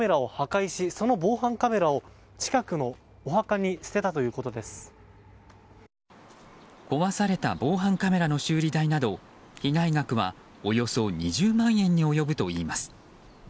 壊された防犯カメラの修理代など被害額はおよそ２０万円に及ぶといいます。